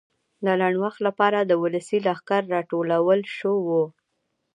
د لنډ وخت لپاره د ولسي لښکر راټولول شو وو.